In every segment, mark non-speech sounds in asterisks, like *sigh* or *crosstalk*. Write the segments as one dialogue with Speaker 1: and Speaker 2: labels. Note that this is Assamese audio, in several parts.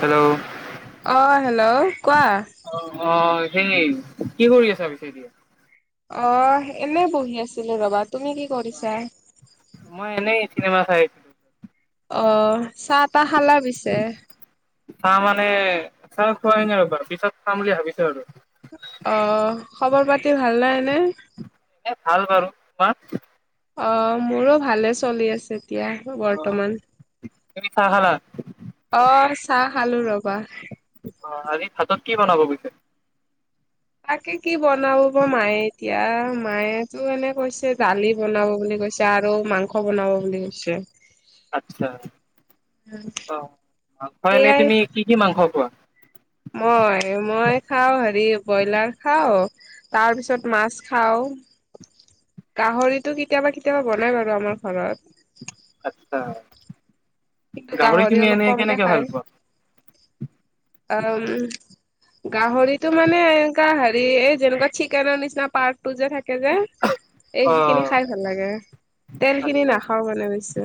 Speaker 1: হেল্ল'
Speaker 2: অৱ হেল্ল' কোৱা।
Speaker 1: অ অ সেই কি কৰি আছা বিশেষকে?
Speaker 2: অ এনেই বহি আছিলোঁ ৰ'বা তুমি কি কৰিছা?
Speaker 1: মই এনেই চিনেমা চাইছো।
Speaker 2: অ চাহ তাহ খালা পিছে।
Speaker 1: চাহ মানে চাহ খোৱাই নাই ৰবা পিছত খাম বুলি ভাবিছো আৰু
Speaker 2: অ খৱৰ পাতি ভাল নাই নে!
Speaker 1: এ ভাল বাৰু তোমাৰ?
Speaker 2: অ মোৰো ভালে চলি আছে এতিয়া।
Speaker 1: অ
Speaker 2: বৰ্তমান,
Speaker 1: তুমি চাহ খালা?
Speaker 2: অ চাহ খালো ৰবা।
Speaker 1: অ আজি ভাতত কি বনাব পিছে।
Speaker 2: তাকে কি বনাব বা মায়ে। এতিয়া মায়েতো এনে কৈছে দালি বনাব বুলি কৈছে আৰু মাংস বনাব বুলি কৈছে।
Speaker 1: আচ্ছা, অ মাংস এনেই
Speaker 2: সেয়াই
Speaker 1: তুমি কি কি মাংস খোৱা?
Speaker 2: মই মই খাও হেৰি ব্ৰইলাৰ খাও তাৰপিছত মাছ খাওঁ গাহৰিটো কেতিয়াবা কেতিয়াবা বনাই বাৰু আমাৰ ঘৰত।
Speaker 1: আচছা,
Speaker 2: কিন্তু
Speaker 1: গাহৰি তুমি
Speaker 2: অলপ
Speaker 1: এনে
Speaker 2: কমকে
Speaker 1: কেনেকে
Speaker 2: খায়।
Speaker 1: ভাল পোৱা?
Speaker 2: *inaudible* গাহৰিতো মানে এনেকা হেৰি এই যেনেকুৱা চিকেনৰ নিচিনা পাৰ্টটো যে থাকে যে।
Speaker 1: *unintelligible*
Speaker 2: এই খিনি খাই ভাল লাগে, তেল খিনি
Speaker 1: আচ্ছা
Speaker 2: নাখাও মানে বেছি।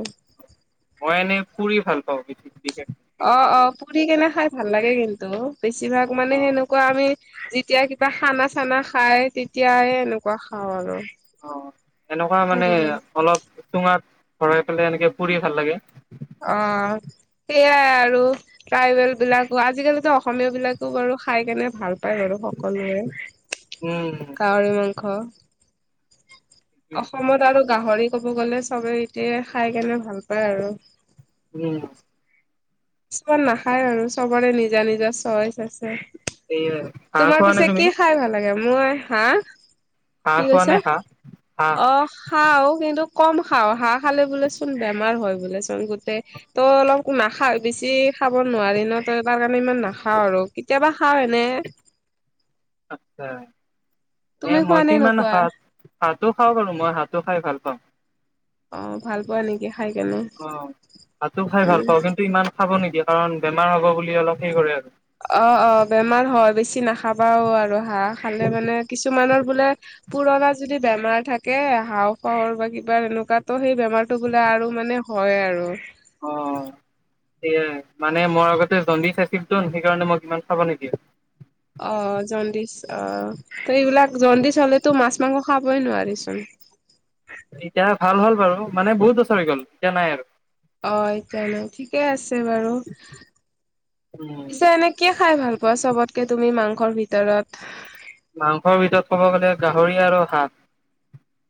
Speaker 1: মই এনে ফুৰি ভাল পাওঁ বিশেষকে।
Speaker 2: অ অ পুৰি কেনে খাই ভাল লাগে কিন্তু, বেছিভাগ মানে
Speaker 1: অ
Speaker 2: সেনেকুৱা আমি যেতিয়া কিবা খানা চানা খাই তেতিয়াই এনেকুৱা খাওঁ আৰু
Speaker 1: অ এনেকুৱা মানে
Speaker 2: পুৰি কেনে
Speaker 1: অলপ চুঙাত ভৰাই পেলাই এনেকে পুৰি ভাল লাগে।
Speaker 2: অৱ। সেইয়াই আৰু ট্ৰাইবেল বিলাকো আজিকালিতো অসমীয়া বিলাকো বাৰু খাই কেনে ভাল পায় বাৰু সকলোৱে
Speaker 1: উম,
Speaker 2: গাহৰি মাংস। অসমত আৰু গাহৰি ক'ব গ'লে চবে এতিয়া খাই কেনে ভাল পায় আৰু।
Speaker 1: উম।
Speaker 2: কিছুমান নাখায় আৰু চবৰে নিজা নিজৰ চইচ আছে।
Speaker 1: সেয়াই হাঁহ
Speaker 2: তোমাৰ
Speaker 1: খোৱা নে
Speaker 2: পিছে
Speaker 1: তুমি?
Speaker 2: কি খাই ভাল লাগে মই হাঁহ।
Speaker 1: হাঁহ
Speaker 2: কি
Speaker 1: খোৱা নে
Speaker 2: কৈছা
Speaker 1: হাঁহ? হাঁহ
Speaker 2: অ খাও কিন্তু কম খাও হাঁহ খালে বোলে চোন বেমাৰ হয় বোলে চোন গোটেই তো অলপ নাখাওঁ। বেছি খাব নোৱাৰি ন তই তাৰ কাৰণে ইমান নাখাও আৰু কেতিয়াবা খাও এনে
Speaker 1: আচ্ছা নে
Speaker 2: তুমি খোৱা
Speaker 1: মইটো ইমান
Speaker 2: নোখোৱা
Speaker 1: হাঁহ হাতো খাওঁ বাৰু মই হাতো খাই ভাল পাওঁ।
Speaker 2: অ ভাল পোৱা নেকি খাই কেনে
Speaker 1: অ হাতো খাই ভাল
Speaker 2: উম
Speaker 1: পাওঁ কিন্তু ইমান খাব নিদিয়া কাৰণ বেমাৰ হ'ব বুলি অলপ সেই কৰে আৰু
Speaker 2: অ অ বেমাৰ হয়, বেছি নাখাবাও আৰু হাঁহ খালে মানে কিছুমানৰ বোলে পুৰণা যদি বেমাৰ থাকে হাঁহফাও বা কিবা এনেকুৱাতো সেই বেমাৰটো বোলে আৰু মানে হয় আৰু।
Speaker 1: অ, সেইয়াই মানে মই আগতে জণ্ডি চাইছিলত সেইকাৰণে মই ইমান খাব নিদিয়ে।
Speaker 2: অ জণ্ডিচ অ ত এইবিলাক জণ্ডিচ হলেতো মাছ মাংস খাবই নোৱাৰি চোন।
Speaker 1: এতিয়া ভাল হ'ল বাৰু মানে বহুত বছৰ হৈ গ'ল এতিয়া নাই আৰু।
Speaker 2: অ এতিয়া নাই, ঠিকে আছে বাৰু,
Speaker 1: উম,
Speaker 2: পিছে এনেই কিয় খাই ভাল- পোৱা, চবতকে তুমি মাংসৰ ভিতৰত?
Speaker 1: মাংসৰ ভিতৰত ক'ব গ'লে গাহৰি আৰু হাঁহ।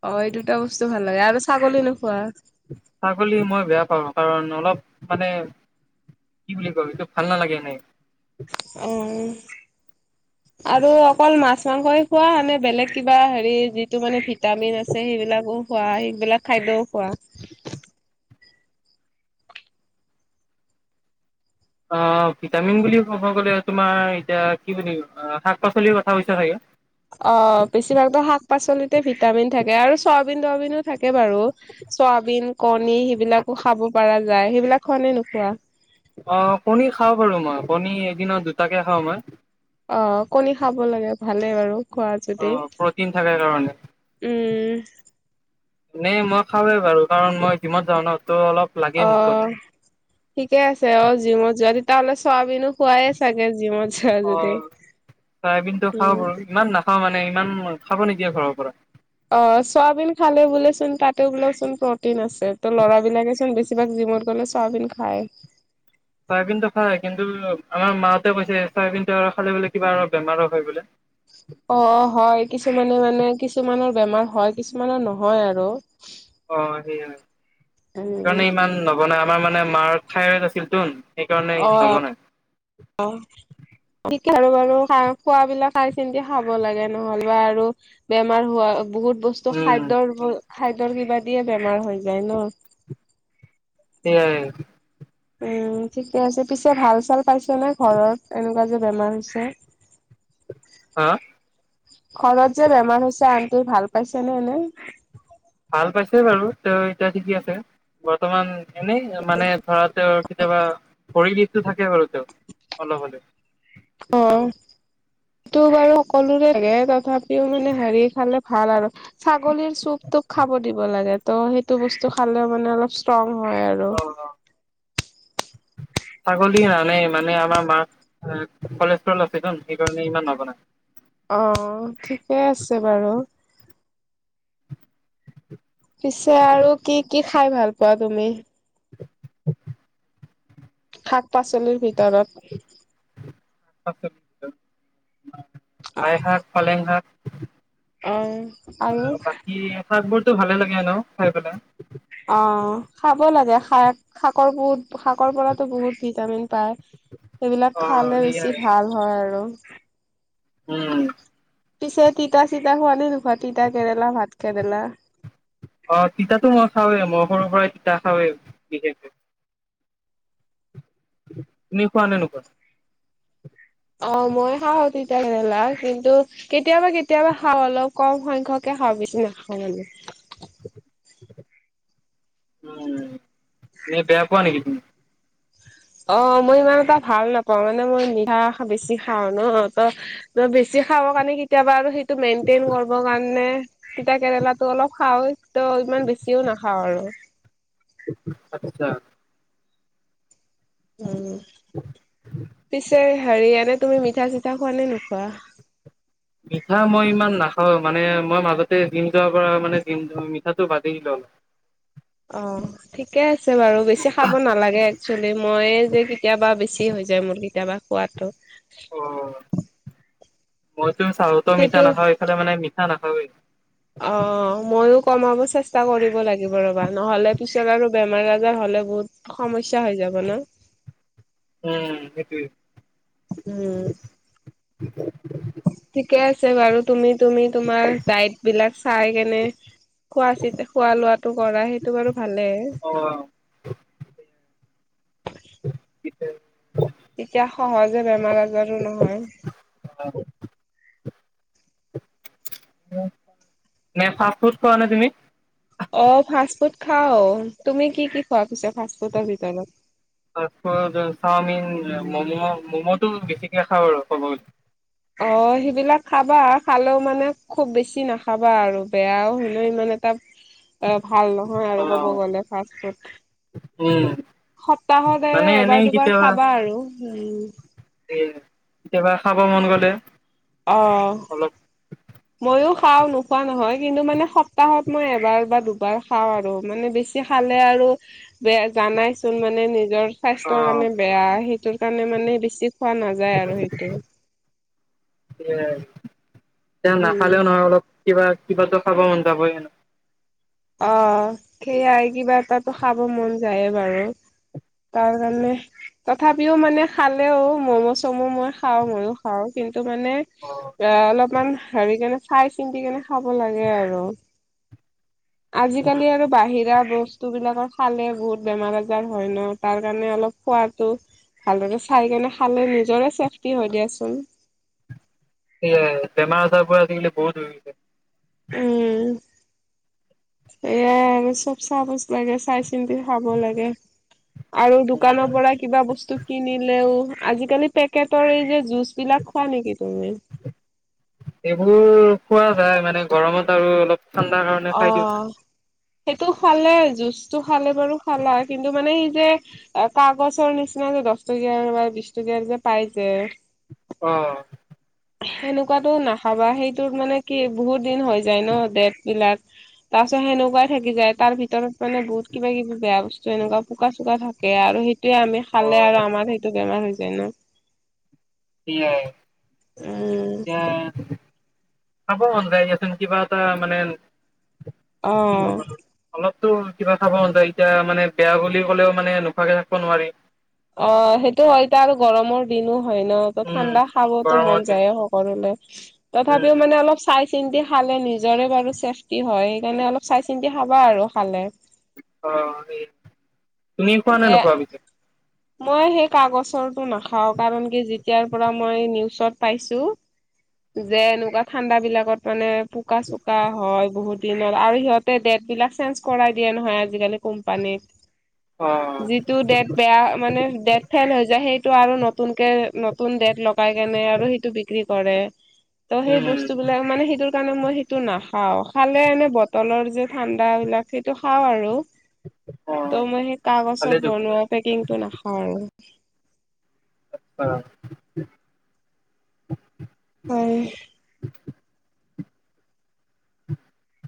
Speaker 2: অ এই দুটা বস্তু ভাল লাগে আৰু ছাগলী নোখোৱা?
Speaker 1: ছাগলী মই বেয়া পাওঁ কাৰণ অলপ মানে - কি বুলি কবি এইটো ভাল নালাগে এনেই।
Speaker 2: অ অ।
Speaker 1: *inaudible*
Speaker 2: আৰু অকল মাছ মাংসই খোৱা নে বেলেগ কিবা হেৰি যিটো মানে ভিটামিন আছে সেইবিলাকো - খোৱা সেইবিলাক খাদ্যও খোৱা?
Speaker 1: অ ভিটামিন বুলি ক'ব গলে তোমাৰ এতিয়া কি বুলি শাক পাচলিৰ কথা কৈছা চাগে?
Speaker 2: অ বেছিভাগতো শাক পাচলিতে ভিটামিন থাকে আৰু চয়াবিন তয়বিনো থাকে বাৰু। চয়াবিন, কণী সেইবিলাকো খাব পৰা যায় সেইবিলাক খোৱা নে নোখোৱা?
Speaker 1: অ কণী খাওঁ বাৰু মই কণী এদিনত দুটাকে খাওঁ মই।
Speaker 2: অ কণী খাব লাগে ভালে বাৰু। খোৱা যদি,
Speaker 1: অ' প্ৰটিন থাকে কাৰণে।
Speaker 2: উম।
Speaker 1: এনেই মই খওঁৱে বাৰু কাৰণ মই জিমত যাওঁ ন তো অলপ -
Speaker 2: অ। ঠিকে আছে অ জিমত যোৱা, তেতিয়া হ'লে চয়াবিনো খোৱাই চাগে জিমত -
Speaker 1: অ চয়াবিন টো
Speaker 2: উম।
Speaker 1: খাও বাৰু ইমান নাখাও মানে ইমান খাব নিদিয়ে ঘৰৰ পৰা।
Speaker 2: অ চয়াবিন খালে বোলেচোন তাতে বোলেচোন প্ৰটিন আছে। ত ল'ৰা বিলাকে চোন বেছিভাগ জিমত গ'লে চাবিন খায়।
Speaker 1: চয়াবিন টো খাই কিন্তু আমাৰ মাহতে কৈছে চয়াবিনটো খালে বোলে কিবা আৰু বেমাৰৰ হয় বোলে।
Speaker 2: অ হয় কিছুমানে মানে কিছুমানৰ বেমাৰ হয় কিছুমানৰ নহয় আৰু।
Speaker 1: অ সেইয়াই,
Speaker 2: উম।
Speaker 1: সেইকাৰণে ইমান নবনাই আমাৰ মানে মাৰ থাইৰয়ড আছিল তোন। সেইকাৰণ নবনাই।
Speaker 2: অঁ। ঠিক আৰু বাৰু খাই খোৱাবিলাক চাই চিন্তি খাব লাগে নহ'লবা আৰু - বেমাৰ হোৱা বহুত বস্তু
Speaker 1: উম
Speaker 2: খাদ্যৰ খাদ্যৰ কিবা দিয়ে বেমাৰ হৈ যায় ন।
Speaker 1: সেয়াই।
Speaker 2: উম, ঠিকে আছে, পিছে ভাল চাল পাইছ নে ঘৰত এনেকুৱা যে বেমাৰ হৈছে?
Speaker 1: হা?
Speaker 2: ঘৰত যে বেমাৰ হৈছে আন্টিৰ ভাল পাইছে নে এনেই?
Speaker 1: ভাল পাইছে বাৰু তো এতিয়া ঠিকেই আছে। বৰ্তমান এনেই মানে ধৰা তেওঁৰ কেতিয়াবা ভৰিৰ বিষটো থাকে বাৰু। টো অলপ হ'লেও।
Speaker 2: অ। টো বাৰু সকলোৰে থাকে এনেই তথাপিও মানে হেৰি খালে ভাল আৰু। ছাগলীৰ চুপটোক খাব দিব লাগে ত' সেইটো বস্তু খালে মানে অলপ ষ্ট্ৰং হয় আৰু।
Speaker 1: অ অ ছাগলী নানে মানে আমাৰ মাক কলেষ্ট্ৰ আছে ন সেইকাৰণে ইমান নবনাই।
Speaker 2: অ ঠিকে আছে বাৰু। পিছে আৰু কি কি খাই ভাল পোৱা তুমি?
Speaker 1: *inaudible*
Speaker 2: শাক পাচলিৰ ভিতৰত।
Speaker 1: *inaudible*
Speaker 2: অ
Speaker 1: লাই শাক পালেং শাক।
Speaker 2: আৰু
Speaker 1: বাকী শাক বোৰতো ভালে লাগে এনেও খাই পেলাই।
Speaker 2: অ খাব লাগে শাক, শাকৰ বহুত শাকৰ পৰাতো বহুত ভিটামিন পায়। সেইবিলাক
Speaker 1: অ
Speaker 2: খালে
Speaker 1: সেইয়াই
Speaker 2: বেছি ভাল হয় আৰু।
Speaker 1: উম।
Speaker 2: পিছে তিতা চিতা খোৱা নে নোখোৱা তিতা কেৰেলা ভাত কেৰেলা?
Speaker 1: অ তিতাতো মই খাওঁ মই সৰু পৰাই তিতা খাওঁৱে বিশেষকে। তুমি খোৱা নে নোখোৱা?
Speaker 2: অ মই খাওঁ তিতা কেৰেলা কিন্তু কেতিয়াবা কেতিয়াবা খাওঁ, অলপ কম সংখ্যকে খাওঁ বেছি নাখাওঁ মানে।
Speaker 1: উম নে বেয়া পোৱা নেকি তুমি?
Speaker 2: অ মই ইমান এটা ভাল নাপাওঁ, মানে মই মিঠা বেছি খাওঁ ন ত ত বেছি খাব কাৰণে কেতিয়াবা আৰু সেই টো মেইনটেইন কৰিব কাৰণে তিতা কেৰেলাটো অলপ খাওঁ। ত ইমান বেছিও নাখাওঁ আৰু।
Speaker 1: আত্ছা।
Speaker 2: উম, পিছে হেৰি এনে তুমি মিঠা চিঠা খোৱা নে নোখোৱা?
Speaker 1: মিঠা মই ইমান নাখাওঁ, মানে মই মাজতে জিম যোৱাৰ পৰা মানে দি মিঠাটো বাদে দিলোঁ অলপ।
Speaker 2: অঁ। ঠিকে আছে বাৰু বেছি খাব নালাগে একচুৱেলি, মইয়ে যে কেতিয়াবা বেছি হৈ যায় মোৰ কেতিয়াবা। খোৱাটো।
Speaker 1: অ মইতো চাহতো মিঠা
Speaker 2: সেইটো
Speaker 1: নাখাওঁ এইফালে মানে মিঠা নাখাওৱেই।
Speaker 2: অঁ। মইও কমাব চেষ্টা কৰিব লাগিব ৰবা, নহলে পিছত আৰু বেমাৰ আজাৰ হলে বহুত সমস্যা হৈ যাব ন?
Speaker 1: উম সেইটোৱেই।
Speaker 2: উম ঠিকে আছে বাৰু তুমি তুমি তোমাৰ দায়েত বিলাক চাই কেনে খোৱা চ খোৱা লোৱাটো কৰা সেইটো বাৰু ভালে।
Speaker 1: অঁ। *inaudible*
Speaker 2: তেতিয়া সহজে বেমাৰ আজাৰো নহয়।
Speaker 1: *unintelligible* নে ফাষ্ট ফুড খোৱা নে তুমি?
Speaker 2: অ ফাষ্টফুড খাওঁ, তুমি কি কি খোৱা পিছে ফাষ্টফুডৰ ভিতৰত?
Speaker 1: ফাৰ্ষ্টফুড চাওমিন মম' ম'ম'টো বেছিকে খাওঁ আৰু ক'ব গলে।
Speaker 2: অ সেইবিলাক খাবা খালেও মানে খুব বেছি নাখাবা আৰু, বেয়াও হলেও মানে টা
Speaker 1: *inaudible*
Speaker 2: এ ভাল নহয়
Speaker 1: অ
Speaker 2: আৰু ক'ব গ'লে ফাষ্ট ফুড।
Speaker 1: উম।
Speaker 2: সপ্তাহৰ এৰে
Speaker 1: মানে
Speaker 2: এবাৰ
Speaker 1: এনেই
Speaker 2: দুবাৰ
Speaker 1: কেতিয়াবা
Speaker 2: খাবা আৰু উম।
Speaker 1: এ কেতিয়াবা খাব মন গ'লে।
Speaker 2: অঁ
Speaker 1: অলপ
Speaker 2: ময়ো খাওঁ নোখোৱা নহয় কিন্তু মানে সপ্তাহত মই এবাৰ বা দুবাৰ খাওঁ আৰু মানে বেছি খালে আৰু বেয়া জানাইচোন মানে নিজৰ
Speaker 1: অ
Speaker 2: স্বাস্থ্যৰ কাৰণে বেয়া সেইটোৰ কাৰণে মানে বেছি খোৱা নাযায় আৰু সেইটো
Speaker 1: এ এয়া
Speaker 2: উম
Speaker 1: নাখালেও নহয় অলপ কিবা কিবা ত খাব মন যাবই ন
Speaker 2: অ সেইয়াই কিবা এটাত খাব মন যায়ে বাৰু তাৰ কাৰণে তথাপিও মানে খালেও মম' চম' মই খাওঁ মইও খাওঁ কিন্তু মানে অ অলপমান হেৰি কেনে চাই চিন্তি কেনে খাব লাগে আৰু
Speaker 1: উম
Speaker 2: আজিকালি আৰ বাহিৰা বস্তু বিলাকৰ খালে বহুত বেমাৰ আজাৰ হয় ন তাৰ কাৰণে অলপ খোৱাটো ভালদৰে চাই কেনে খালে নিজৰে চেফটি হয় দিয়াচোন
Speaker 1: সেয়াই বেমাৰ আজাৰবোৰ আজিকিলি বহুত হৈ গৈছে
Speaker 2: উম সেয়াই চব চাহ বস লাগে চাই চিন্তি খাব লাগে আৰু দোকানৰ
Speaker 1: উম,
Speaker 2: পৰাই কিবা বস্তু কিনিলেও আজিকালি পেকেটৰ এই যে জুচবিলাক খোৱা নিকি তুমি
Speaker 1: এইবোৰ খোৱা যায় মানে গৰমত আৰু অলপ ঠাণ্ডা কাৰণে
Speaker 2: অ
Speaker 1: খাই দিওঁ।
Speaker 2: সেইটো খোৱালে জুচ টো খালে বাৰু খালাই কিন্তু মানে সেই যে কাগজৰ নিচিনা যে দছ টকীয়াৰ বা বিশ টকীয়াৰ যে পাই যে
Speaker 1: অ
Speaker 2: সেনেকুৱাতো নাখাবা সেইটোত মানে কি বহুত দিন হৈ যায় ন ডেট বিলাক তাৰ পিছত সেনেকুৱাই থাকি যায় তাৰ ভিতৰত মানে বহুত কিবা কিবি বেয়া বস্তু এনেকুৱা পোকা চোকা থাকে আৰু সে তেতিয়া আমি খালে
Speaker 1: অ',
Speaker 2: আৰু আমাৰ সেইটো বেমাৰ হৈ যায় ন
Speaker 1: কি হয়
Speaker 2: উম।
Speaker 1: এতিয়া খাব মন যায় দিয়াচোন কিবা এটা মানে কি কম
Speaker 2: অ'।
Speaker 1: আৰু অলপতো কিবা খাব মন যায় এতিয়া মানে বেয়া বুলি ক'লেও মানে নোখোৱাকে থাকিব নোৱাৰি
Speaker 2: অ সেইটো হয় এতয়া আৰু গৰমৰ দিনো হয় ন ত
Speaker 1: উম,
Speaker 2: ঠাণ্ডা খাবতো
Speaker 1: গৰমৰ
Speaker 2: মন
Speaker 1: দিন
Speaker 2: যায়ে সকলোৰে
Speaker 1: উম,
Speaker 2: তথাপিও মানে অলপ চাই চিন্তি খালে নিজৰে বাৰু চেফটি হয় সেইকাৰণে অলপ চাই চিন্তি খাবা আৰু খালে
Speaker 1: অ এই তুমি খোৱা নে
Speaker 2: দে
Speaker 1: নোখোৱা পিছে
Speaker 2: মই সেই কাগজৰটো নাখাওঁ কাৰণ কি যেতিয়াৰ পৰা মই নিউজত পাইছো যে এনেকুৱা ঠাণ্ডা বিলাকত মানে পোকা চোকা হয় বহুত দিনৰ আৰু সিহঁতে ডেট বিলাক চেঞ্জ কৰাই দিয়ে নহয় আজিকালি কোম্পানীত
Speaker 1: অ
Speaker 2: যিটো ডেট বেয়া মানে ডেট ফেইল হৈ যায় সেইটো আৰু নতুনকে নত নতুন ডেট লগাই কেনে আৰু সেইটো বিক্ৰী কৰে ত সেই
Speaker 1: উম,
Speaker 2: বস্তুবোৰ বিলাক মানে সেইটোৰ কাৰণে মই সেইটো নাখাও খালে এনে বটলৰ যে ঠাণ্ডা বিলাক সেইটো খাওঁ আৰু ত'
Speaker 1: অ',
Speaker 2: মই সেই কাগজত
Speaker 1: ভালেই দেখোন
Speaker 2: বনোৱা পেকিংটো নাখাও আৰু
Speaker 1: হয় অ
Speaker 2: হয়
Speaker 1: *unintelligible*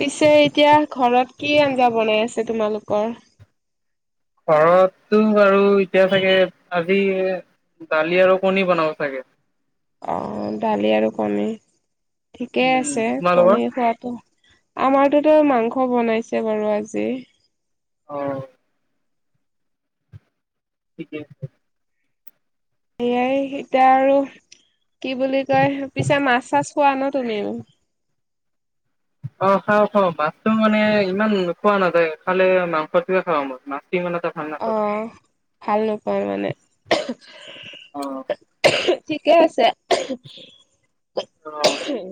Speaker 2: পিছে এতিয়া ঘৰত কি আঞ্জা বনাই আছে তোমালোকৰ
Speaker 1: ঘৰততো বাৰু এতিয়া চাগে আজি দালি আৰু কণী বনাব চাগে।
Speaker 2: অ দালি আৰু কণী, ঠিকেই
Speaker 1: উম
Speaker 2: আছে
Speaker 1: তোমালোকৰ
Speaker 2: কণী খোৱাতটো। আমাৰটোতো মাংস বনাইছে বাৰু আজি।
Speaker 1: অহ। ঠিকে আছে।
Speaker 2: সেয়াই এতিয়া আৰু, কি বুলি কয় পিছে মাছ চাছ খোৱা ন তুমিও?
Speaker 1: অ খাওঁ খাওঁ মাছটো মানে ইমান খোৱা নাযায় খালে মাংসটো খাওঁ ম মাছতো সিমান এটা ভাল নাপাওঁ।
Speaker 2: অ, ভাল নোপওঁ মানে?
Speaker 1: অ
Speaker 2: ঠিকে আছে।
Speaker 1: অহ।
Speaker 2: হম।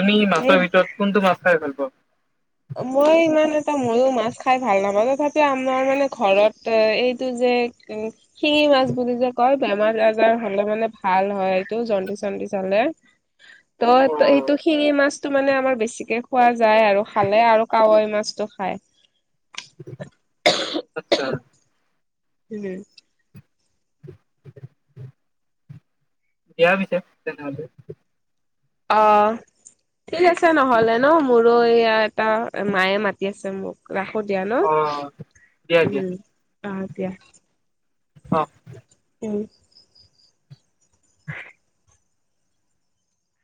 Speaker 1: তুমি
Speaker 2: এই
Speaker 1: মাছৰ ভিতৰত কোনটো মাছ খাই ভাল পোৱা?
Speaker 2: মই ইমান এটা ময়ো মাছ খাই ভাল নাপাওঁ তথাপিও আমাৰ মানে ঘৰত এইটো যে- উম, শিঙি মাছ বুলি যে কয়- বেমাৰ আজাৰ হলে মানে ভাল হয় এইটো জণ্ডি চণ্ডি চালে।
Speaker 1: অ
Speaker 2: ত এইটো শিঙি মাছতটো মানে আমাৰ বেছিকে খোৱা যায় আৰু। খালে আৰু কাৱৈ মাছতটো খায়।
Speaker 1: আচ্ছা।
Speaker 2: উম।
Speaker 1: দিয়া পিছে তেনেহলে।
Speaker 2: অ, ঠিক আছে নহলে ন মোৰো এই এটা মায়ে মাতি আছে মোক। ৰাখো দিয়া ন,
Speaker 1: অ দিয়া দিয়া
Speaker 2: উম আহ দিয়া।
Speaker 1: অ
Speaker 2: উম।